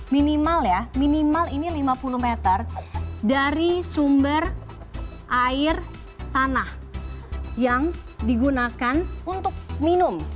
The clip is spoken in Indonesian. minimal ya minimal ini lima puluh meter dari sumber air tanah yang digunakan untuk minum